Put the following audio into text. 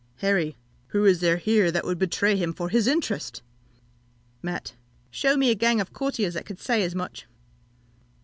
Harry. Who is there here that would betray him for his interest? Mat. Shew me a gang of courtiers that could say as much!